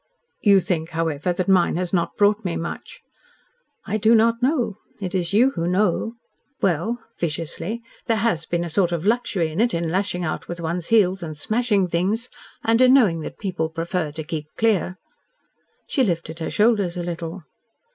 "You think, however, that mine has not brought me much?" "I do not know. It is you who know." "Well," viciously, "there HAS been a sort of luxury in it in lashing out with one's heels, and smashing things and in knowing that people prefer to keep clear." She lifted her shoulders a little.